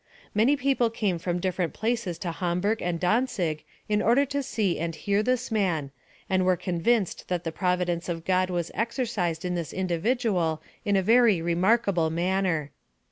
Many people came from different places to Hamburg and Dantzig in order to see and hear this man, and were convinced that the providence of God was exercised in this individual in a very remarkable manner.